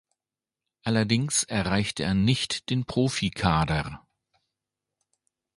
Allerdings erreichte er nicht den Profikader.